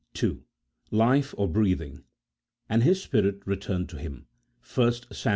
Life, or breathing: " And his spirit returned to him," 1 Sam.